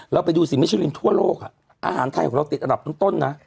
เราไปดูสิมิชลินทั่วโลกอะอาหารไทยของเราติดอันดับต้นนะ